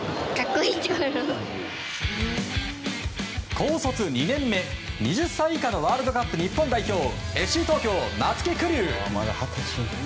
高卒２年目２０歳以下のワールドカップＦＣ東京、松木玖生。